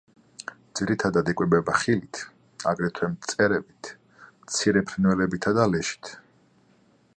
ძირითადად იკვებება ხილით, აგრეთვე მწერებით, მცირე ფრინველებითა და ლეშით.